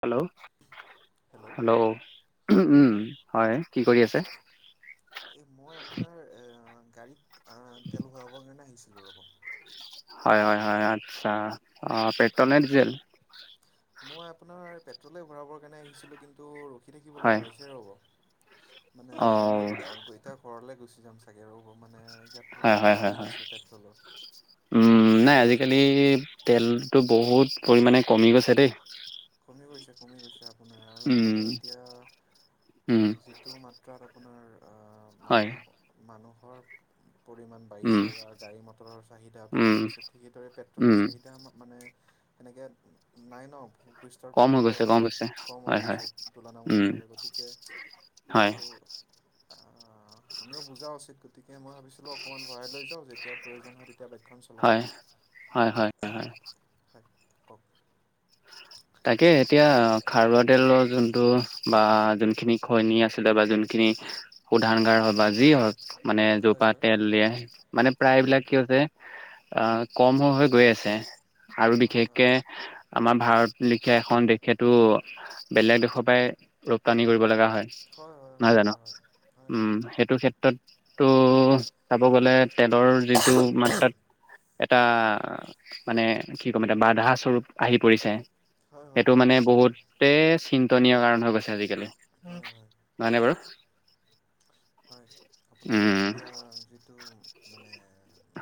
Hello hello হয় কি কৰি আছে এ মই আপোনাৰ এ গাড়ীত তেল ভৰাবৰ কাৰণে আহিছিলো ৰব। হয় হয় হয় আচ্ছা পেট্ৰল নে ডীজেল মই আপোনাৰ পেট্ৰলে ভৰাবৰ কাৰণে আহিছিলোঁ কিন্তু ৰখি থাকিব হয় লগা হৈছে ৰ'ব মানে অ মই এতিয়া ঘৰলেলৈ গুচি যাম চাগে ৰ মানে। মানে ইয়াত হয় বহুত হয় হয় নাটনি হয় হৈছে পেট্ৰলৰ উম মানে নাই খাৰুৱা আজিকালি তেলৰ তেলটো বহুত পৰিমাণে কমি গৈছে দেই কমি গৈছে কমি গৈছে আপোনাৰ আৰু উম মানে এতিয়া উম যিটো মাত্ৰাত আপোনাৰ হয় ঘৰ পৰিমাণ উম বাঢ়িছে বা গাড়ী মটৰৰ চাহিদা উম বৃদ্ধি পাইছে ঠিক সেইদৰে পেট্ৰলৰ উম চাহিদা মানে তেনেকে নাই ন পৃষ্টৰ কম পৰা হৈ গৈছে এতিয়াও কম মানে হৈছে কম হয় হৈ হয় গৈছে উম তুলনামূলকভাৱে গতিকে কিন্তটো হয় অ' আমিও বুজা উচিত গতিকে মই ভাবিছিলোঁ অকণমান ভৰাই লৈ যাওঁ যেতিয়া প্ৰয়োজন হয় ক্ষণ চলাম হয় হয় হয় হয় হয় হয় কওক। [inaudible] তাকে এতিয়া খাৰুৱা তেলৰ যোনটো বা যোনখিনি খৈণী আছিলে বা যোনখিনি শুধাৰ হয় বা যি হওক মানে হয় জোপা হয় তেল দিয়াই মানে হয় প্ৰায়বিলাক হয় কি হৈছে আহ কম হৈ গৈ আছে আৰু হয় হয় বিশেষকে আমাৰ ভাৰত লিখীয়া এখন দেশেতটো বেলেগ দেশৰ পৰাই ৰপ্তানি কৰিব লগা হয় হয় হয় নাজানো হয় হয় হয় হয় উম, সেইটো ক্ষেত্ৰতটো চাব গ'লে তেলৰ যিটো মাত্ৰাত এটা মানে কি ক'ম এতিয়া বাধা স্বৰূপ আহি পৰিছে। হয় হয় সেইটো হয় মানে নিশ্চিত হয় বহুতে চিন্তনীয় কাৰণ হৈ গৈছে আজিকালি। হয় হয় হয় হয়নে বাৰু হয় আপোনাৰ উম এতিয়া যিটো মানে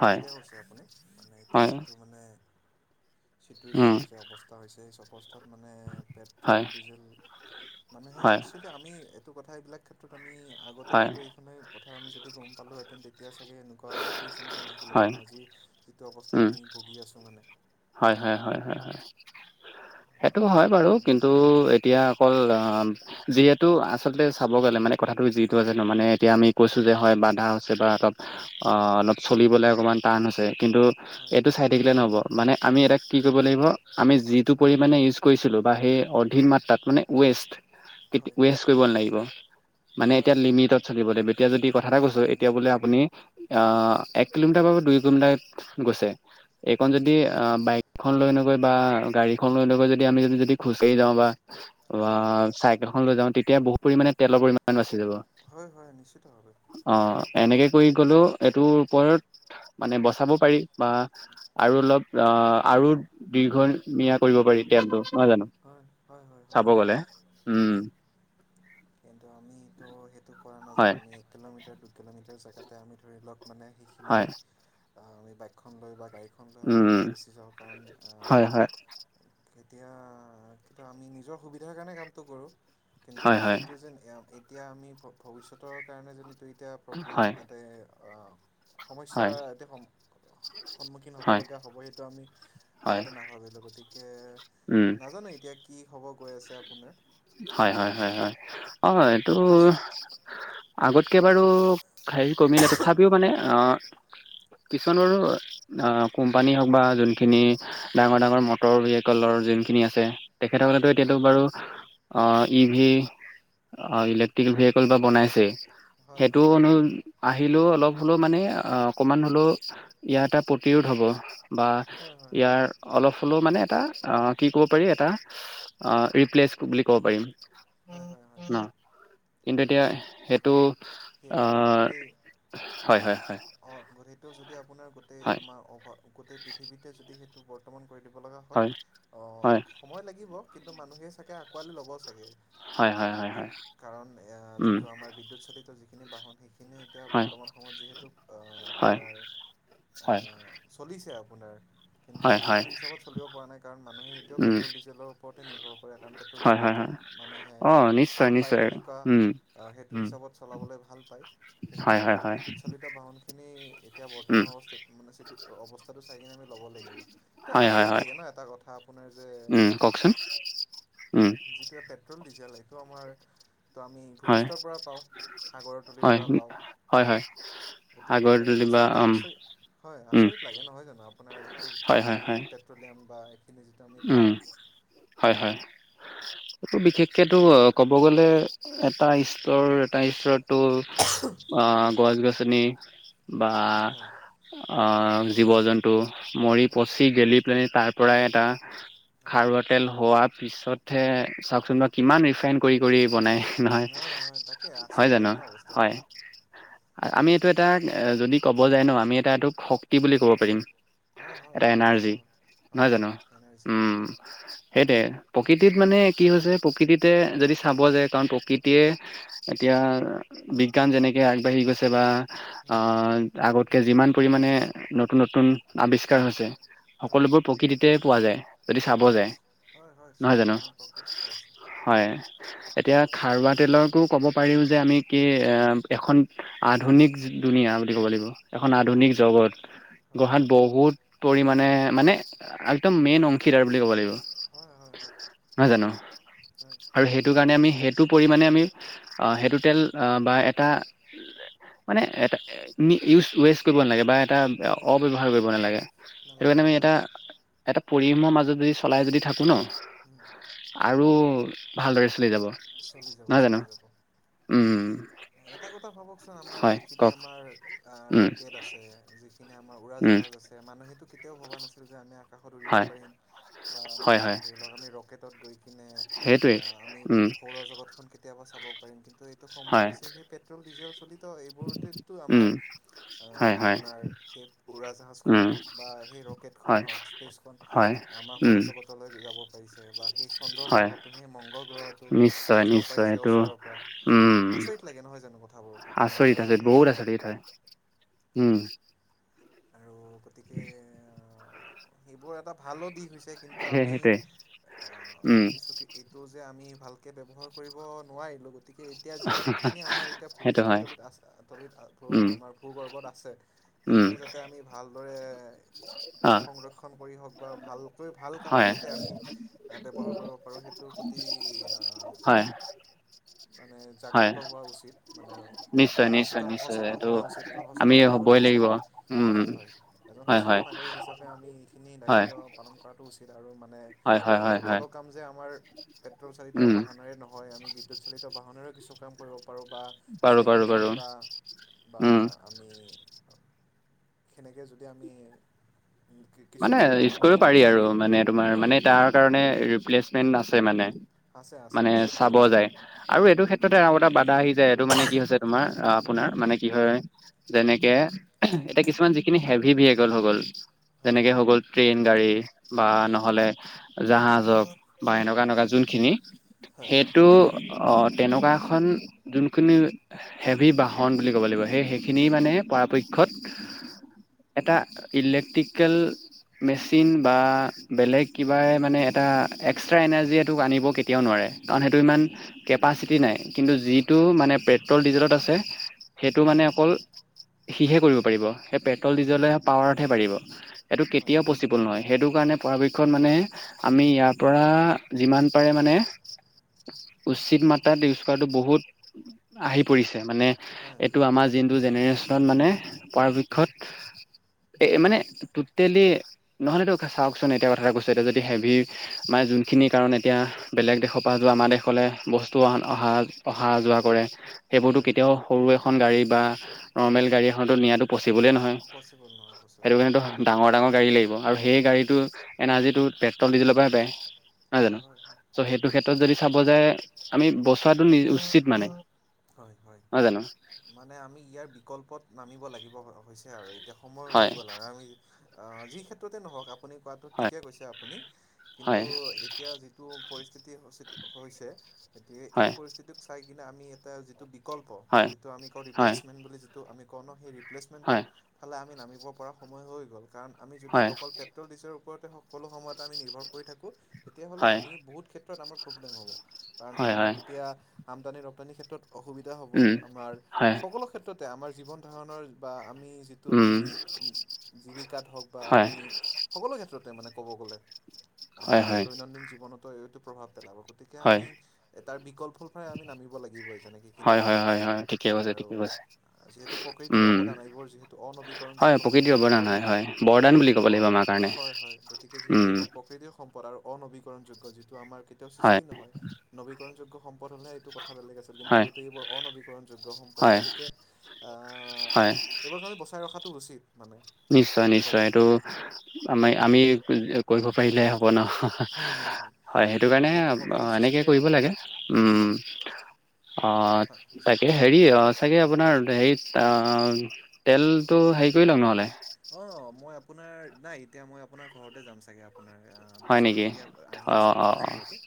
হয় ঠিকে কৈছে আপুনি মানে এতিয়া হয় যিটো মানে উম চিটুৱেচন হৈছে অৱস্থা হৈছে চব তাত মানে হয় পেট্ৰল ডিজেল মানুহে হয় একসুৱেলি আমি সেটো কথা এইবিলাক ক্ষেত্ৰত আমি আগতে হয় হয়তো এইখনে কথা আমি যদি গম পালোহেতেন তেতিয়া চাগে এনেকুৱা চিটুৱেশ্যন এটা হয় নাহিলেঁতেন আজি যিটো অৱস্থাত উম, আমি ভুগি আছোঁ মানে হয় হয় হয় সেইটো হয় বাৰু কিন্তু এতিয়া অকল অ' যিহেতু আচলতে চাব গ'লে মানে কথাটো যিটো জানো মানে এতিয়া আমি কৈছো যে হয় বাধা হৈছে বা অলপ - অলপ চলিবলৈ অকণমান টান হৈছে। কিন্তু হয় এইটো চাই থাকিলে নহ'ব মানে আমি এটা কি কৰিব লাগিব আমি যি যিটো পৰিমানে ইউচ কৰিিলো সেই অধিক মাত্ৰাত মানে ৱেষ্ট হয় ৱেছ কৰিব নালাগিব মানে হয় এতিয়া হয় লিমিটত হয় চলিব লাগিব এতিয়া যদি কথা এটা কৈছো এতিয়া বোলে আপুনি আহ এক কিলোমিটাৰ বা দুই কিলোমিটাৰ গৈছে, এইকণ যদি আহ বাইকখন লৈ গৈ বা গাড়ীখন লৈ গৈ আমি যদি গুচি যাওঁ বা, হয় হয় [unintelligible] লৈ যাওঁ তেতিয়া বহুত পৰিমাণে তেলৰ পৰিমাণ বাচি যাব। হয় হয় নিশ্চিত ভাৱে। অ এনেকে কৰি গ'লেও এইটোৰ ওপৰত মানে বচাব পাৰি বা আৰু অলপ আহ আৰু দুই ঘ ইয়াত কৰিব পাৰি তেলটো নহয় জানো, হয় হয় হয় হয় চাব গ'লে উম। কিন্তু আমি ত' সেইটো কৰা নাযায় হয় আমি এক কিলোমিটাৰ দুই কিলোমিটাৰ চ এতে আমি ধৰি লওঁক মানে সিখিনি, হয় আহ আমি বাইকখন লৈ বা গাড়ী উম হয় হয়। এতিয়া কিত আমি নিজৰ সুবিধা কাৰণে কামটো কৰো, কিন্তু হয় যে হয় হেটো যেন এয়াৰ এইট এতিয়া আমি ভ ভবিষ্যতৰ কাৰণে জনী তই এতিয়া প্ৰব্লেম হয় এতে সমস্যা হয় এটি সম সন্মুখীন হ'ব হয় লগা হবই। হয়, আগতে নাভাবিলোঁ গতিকে উম, নাজানো এতিয়া কি হ'ব গৈ আছে আপোনাৰ? হয় হয় হয় হয় অ এইটো আ আগতকে বাৰু হেৰি কমিলে তথাপিও মানে অ কিছুমান বাৰু কোম্পানী হওক বা যোনখিনি ডাঙৰ ডাঙৰ মটৰ উইকেলৰ যোনখিন আছে তেখেতসকলেটো হয় হয় এতিয়াতো বাৰু অ ই ভি অ ইলেক্ট্ৰিক উইকেল বা বনাইছে হয় সেইটো হয় অনু আহিলেও অলপ হলেও মানে অ অকমান হলেও ইয়াৰ এটা প্ৰতিৰোধ হব। বা হয় হয় হয় ইয়াৰ অলপ হ'লেও মানে এটা অ কি ক'ব পাৰি এটা অ ৰিপ্লেচ বুলি ক'ব পাৰি। হয় হয়। কিন্তু এতিয়া সেটো সেটো গতে হয় হয় হয় অ গোটেইটো যদি আপোনাৰ গোটেই হয় আমাৰ ঔষ গোটেই পৃথিতে যদি সেইটো বৰ্তমান কৰি দিব হয় অ হয়। সময় লাগিব কিন্তু মানুহে চাগে আকোৱালি লব চাগে। হয় হয় হয় কিদ হয় কাৰণ এয়া উম যিটো আমাৰ বিদ্যুৎ চলিত যি বাহন সেইখিনিও এতিয়া হয় বৰ্তমান সময়ত যিহেতু আ আপোনাৰ হয়। ছে আপোনাৰ কিন্তু হয় হয় হয় সেইটো হিচাপত চলিব পৰা নাই কাৰণ মানুহেই এতিয়াও উম পেট্ৰল ডিজেলৰ ওৰতে নিৰ্ভৰ কৰে কাৰণ পেট্ৰল হয় হয় ডিজেলটো হয় মানুহে অ নিশ্চয় ভাল পায় নিশ্চয় সেনকা উম অ, সেইটো উম হিচাপত চলাবলৈ ভাল পায়। কিন্তু হয় হয় হয় বিদ্যুৎ চালিত বাহনখিনি এতিয়া উম বৰ্তমান অৱস্থাত মানে চিটো অৱস্থাটো চাই কেনে মানে লব লব লাগিব তে হয় হয় আচৰিত হয় লাগে ন' এটা কথা আপোনাৰ যে উম কওকচোন উম যিটো এ পেট্ৰল, ডিজেল এইটো আমাৰ ত'আমি ভূপিস্থৰ পৰা পাওঁ। সাগৰৰ তলিৰ পৰা পাওঁ হয়-হয়-হয় গতিকে আগৰ আচৰিত [unintelligible] উম আচৰিত হয় উম আচৰিত লাগে নহয় জানো আপোনাৰ যিটো হয় আমি হয় হয় এই পেট্ৰলিয়াম বা এইখিনি যিটো আমি উম, পাওঁ হয়- হয়। এইটো বিশেষকেটো কব গলে এটা ষ্টৰ - এটা ষ্টৰত টো আ গছ-গছনি বা হয় আহ, জীৱ-জন্তু মৰি উম পচি গেলি প্লেনি তাৰ পৰাই এটা হয় খাৰুৱা তেল হোৱা পিছতহে চাওকচোন বাৰু কিমান ৰিফাইন কৰি -কৰি বনাই। হয় হয় তাকে নহয় হয় আচৰিত জানো লাগে ন বস্তু হয়। আমি এইটো এটা যদি ক'ব যায় ন' আমি এটা এইটোক শক্তি বুলি ক'ব পাৰিম। এটা হয়-হয়-হয় নিশ্চিত এনাৰ্জি নহয় জানো হয়-হয়নে? উম, সেইটোৱে। প্ৰকৃতিত মানে কি হৈছে। প্ৰকৃতিতে যদি চাব যায় কাৰণ প্ৰকৃতিয়ে এতিয়া বিজ্ঞান যেনেকে আগবাঢ়ি গৈছে বা আ উম, আগতকে যিমান পৰিমাণে নতুন-নতুন আৱিষ্কাৰ হৈছে। হয় সকলোবোৰ প্ৰকৃতিতে পোৱা যায়। যদি চাব হয় যায় নিশ্চয় হয় হয় চব নহয় জানো আমি প্ৰকৃতিতে আছে হয়, এতিয়া খাৰুৱা তেলৰকো ক'ব পাৰি যে আমি কি এ এখন আধুনিক দুুনীয়া বুলি ক'ব লাগিব। এখন আধুনিক হয় হয় জগত হয় গহাত হয় বহুত পৰিমণে মানে একদম মেইন অং খীদাৰ বুলি ক'ব লাগিব। হয় হয় নহয় জানো হয় আৰু সেইটো আপোনাৰ কাৰণে আমি সেইটো পৰিমণে আমি হেতু তেল বা এটা মানে এটা মি ইউজ ৱেচ কৰিব নালাগে বা তাত হয় অ - ব্যৱহাৰ কৰিব নালাগে এইটো নালাগে কাৰণে আমি এটা নালাগে - এটা পৰিব ই মাজত যদি চলাই যদি থাকো ন উম আৰু ভালদৰে চলি যাব চলি যাব - নহয় জানো চলি যাব। উম এটা কথা ভাবকচোন আমাৰ হয় যিখিনি কওক আমাৰ আহ উম ৰকেট আছে। যিখিনি আমাৰ উম উৰাজাহাজ মানুহেতটো ভবা নাছিল যে আমি আকাশত উৰিব হয় পাৰিম বা আমি হয় হয় ধৰি লওক আমি ৰকেটত গৈ এ সেইটোৱেই আমি উম সৌৰজগতখন কেতিয়াবা চাব পাৰিম কিন্তু এই সম্ভৱ হয় হৈছে সেই পেট্ৰল ডিজেল চলিত এইবোৰতেটো উম আমাৰ হয় হয় আপোনাৰ পুৰা জাহাজ খন উম হওক বা সেই ৰকেট খন হয় হওক স্পেচ খন হয় আমাৰ উম সৌৰজগতলৈ যাব পাৰিছে। বা সেই চন্দ্ৰ গ্ৰহটো সেই মংগল গ্ৰহটো দেখিব নিশ্চয়-নিশ্চয় পাৰিছে এইটো, ওচৰৰ পৰা উম। আচৰিত লাগে নহয় জানো কথাবোৰ আপোনাৰ আচলিত কাৰণ তাতে মানে বহুত আচলিত হয়, উম। আৰু গতিকে সেইবোৰ এটা ভালো দিশ হৈছে। কিন্তু সেই আমি সেইটোৱে আ উম কিছু এইটো যে আমি ভাল সেই ব্যৱহাৰ কৰিব নোৱাৰিলো। গতিকে এতিয়া যিমানখিনি আমাৰ এতিয়া সেইটো ভূমৃষ্টিৰ হয় তলীিত আছে। তলিত উম আমাৰ ভূগৰ্ভত আছে। উম যাতে আমি ভালদৰে [inaudible] সংৰক্ষণ কৰি হওক বা ভালকৈ ভাল হয় কামত যাতে আমি ব্যৱহাৰ কৰিব পাৰো সেইটোৰ প্ৰতি হয়। মানে হয় জাগ্ৰত হোৱা উচিত, মানে নিশ্চয় বা নিশ্চয় নিশ্চয় এইটো সচেতন-সচেতন হোৱা উচিত, এজন আমি সচেতন হ'বই নাগৰিক লাগিব। হিচাপে উম হয়, এজন হয় সচেতন হয় নাগৰিক হিচাপে আমি এইখিনি হয় দায়িত্ব পালন কৰাটো উচিত আৰু মে হয় হয় হয় হয় সকলো কাম যে আমাৰ পেট্ৰল চালিত উম বাহনেৰে নহয় আমি বিদ্যুৎ চালিত বাহনেৰে কিছু কাম কৰিব পাৰোঁ বা পাৰো পাৰো চাইকেলখন পাৰো বা বা উম আমি সেনেকে যদি আমি মানে কিছুমান কাম ইউজ আমি কৰিব পাৰি আৰু মানে তোমাৰ হয় মানে তাৰকাৰণে ৰিপ্লেচমেণ্ট আছে মানে। আছে আছে মানে আছে চাব যায়, আৰু এইটো ক্ষেত তাতে আগতে বাধা আহি যায় এইটো মানে কি হৈছে, তোমাৰ আপোনাৰ মানে কি হয়, যেনেকে এতিয়া কিছুমান যিখিনি হেভি ভেহিকল হৈ গ'ল। হয় যেনেকে হৈ গ'ল ট্ৰেইন গাড়ী বা হয় নহ'লে জাহাজ হওঁক বা এনেকুৱা এনেকুৱা যোনখিনি হয় সেইটো অ তেনেকুৱা এখন যোনখিনি হেভি বাহন বুলি ক'ব লাগিব সে সেইখিনি হয় মানে পৰাপক্ষত এটা ইলেক্ট্ৰিকেল মেচিন বা বেলেগ কিবাই মানে এটা এক্সট্ৰা এনাৰ্জি এইটোক আনিব কেতিয়াও নোৱাৰে কাৰণ সেইটো ইমান নাই কেপাচিটি নাই কিন্তু নাই যিটো মানে পেট্ৰল ডিজেলত আছে সেইটো মানে অকল সিহে কৰিব পাৰিব সেই পেট্ৰল হয় হয় ডিজলে পাৱাৰতহে পাৰিব এইটো হয় কেতিয়াও হয় পচিবল নহয় সেইটো কাৰণে পৰাপক্ষত মানে আমি ইয়াৰ পৰা যিমান পাৰে মানে উচিত মাত্ৰাত ইউজ কৰাটো বহুত আহি পৰিছে মানে হয় এইটো হয় আমাৰ হয় যোনটো জেনেৰেশ্যনত মানে পৰাপক্ষত এ মানে টেলি নহলেতো চাওকচোন এতিয়া কথাটা কৈছো এতিয়া যদি হেভি মানে যোনখিনি কাৰণ এতিয়া বেলেগ দেশৰ পৰা যোৱা আমাৰ দেশলে বস্তু অ অহা অহা যোৱা কৰে সেইবোৰতো হয় হয় কেতিয়াও সৰু এখন গাড়ী বা নৰ্মেল গাড়ী এখনতো নিয়াো পচি বলে নহয় পচিবল নহয় পচিবল সেইটো কাৰণো সম্ভৱ নহয় ডাঙৰ ডাঙৰ গাড়ী লাগিব আৰু সেই হয় গাড়ীটো এনাৰ্জিটো পেট্ৰল ডিজেলৰ পৰাই পায় নহয় হয় জানো হয় হয় চ' হয় সেইটো ক্ষেত্ৰত যদি চাব যায় আমি বচোৱাটো নি উচিত মানে হয় হয় নহয় জানো মানে আমি ইয়াৰ বিকল্পত নামিব লাগিব হৈছে আৰু এতিয়া সময় হৈ হয় গ'ল আৰু আমি যি ক্ষেত্ৰতে নহওক আপুনি কোৱাটো হয় ঠিকে কৈছে আপুনি কিন্তু হয় এতিয়া যিটো পৰিস্থিতি হৈছে গতিকে এই হয় পৰিস্থিতিক চাই কিনে আমি এটা যিটো বিকল্প হয় যিটো আমি কওঁ হয় ৰিপ্লেচমেট বুলি যিটো আমি কওঁ ন সেই ৰিপ্লেচমেণ্টৰ হয় ফালে আমি নামি ' পৰা সময় হৈ গ'ল কাৰণ আমি যদি হয় অকল পেট্ৰল ডিজেলৰ ওপৰতে সকলো সময়তে আমি নিৰ্ভৰ কৰি থাকোঁ। তেতিয়াহ'লে হয় আমি বহুত ক্ষেত্ৰত আমাৰ প্ৰব্লেম হ'ব কাৰণ হয় আমাৰ হয় তেতিয়া আমদানি ৰপ্তানি ক্ষেত্ৰত অসুবিধা হব উম আমাৰ হয় সকলো ক্ষেত্ৰতে আমাৰ জীৱন ধাৰণৰ বা আমি যিটো উম আমি জীৱিকাত হওক বা হয় আমি সকলো ক্ষেত্ৰতে মানে ব গলে হয় আমাৰ হয় দৈনন্দিন জীৱনতো এইটো প্ৰভাৱ পেলাব গতিকে হয় আমি এ তাৰ বিকল্প ফ ফই আমি নামিব লাগিব হয় হয় হয় হয় ঠিকে কৈছে ঠিকে কৈছে যিহেতু প্ৰকৃতিৰ উম অৱদান এইবোৰ যিহেতু হয় অনবীকৰণযোগ্য প্ৰকৃতিৰ সম্পদ অৱদান নবী হয় হয় বৰদান হয় বুলি ক'ব অ লাগিব আমাৰ কাৰণে হয় হয় গতিকে যিহেতু উম এইবোৰ প্ৰকৃতিৰ সম্পদ অনবীকৰণ যোগ্ যিটো আমাৰ কেতিয়াও হয় সৃষ্টি নহয় নীকৰণ যোগ্য় সম্পদ হলেহে এইটো কথা বেলেগ আছে কিন্তু হয় যিহেতু এইবোৰ অনবীকৰণ যোগ্য সম্পদ হয় গতিকে আহ হয় এইবোৰ আমি বচাই ৰখা উচিত মানে নিশ্চয় হয় নিশ্চয় এইটো আমি আমি কৰিব পাৰিলে হয় হয় হয় সেইটো কাৰণে যিহেতু সকলো এনেক সৃষ্টিৰে কৰিব লাগে হয় অ হয় তাকে হেৰি অ চাগৈ আপোনাৰ হেৰিত তেলটো হেৰি কৰি লওক নহ'লে অ মই আপোনাৰ নাই এতিয়া মই আপোনাৰ ঘৰতে যাম চাগে আপোনাৰ হয় পিছত নেকি? কেতিয়া আহিম অ', চাগে অ', অ', পিছলৈকে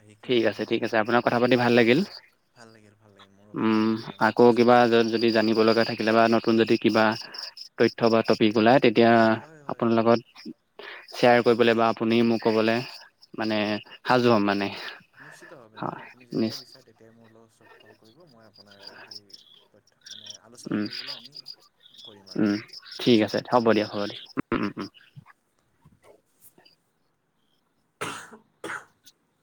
আহি ঠিক কিনে আছে ঠিক আছে আপোনাক কথা পাতি ভাল ভৰাব লাগিল লাগিব ভাল লাগিল ভাল লাগিল মোৰো ভাল উম লাগিল আপোনাৰ লগত আকৌ গছৰ কিবা কথা পাতি। যদি জানিব লগা থাকিলে বা নতুন যদি কিবা তথ্য় বা টপিক ওলাই তেতিয়া হয় হয় আপোনাৰ লগত শ্বেয়াৰ কৰিবলৈ বা আপুনি মোক ক'বলৈ মানে সাজু হ'ম মানে নিশ্চিতভে মই হয়, আপুনি যেতিাই নিশ্চ বিচাৰে মোৰ ওচ কৰিব ম [unintelligible] মানে আলোচনা উম, কৰিবলৈ আমি কৰিম আৰু উম তেনেকৈ ঠিক আছে দিয়ক ভাল হ'ব লাগিল দিয়া হ'ব দিয় উ উম উ [inaudible]